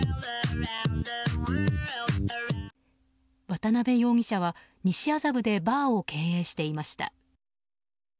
渡辺容疑者は西麻布でバーを経営していました。